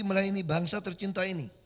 dan melayani bangsa tercinta ini